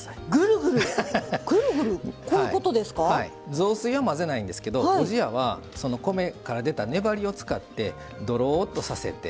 雑炊は混ぜないんですけどおじやは米から出た粘りを使ってどろっとさせて。